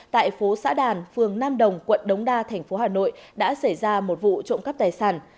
tại phố xã đàn phường nam đồng quận đống đa thành phố hà nội đã xảy ra một vụ trộm cắp tài sản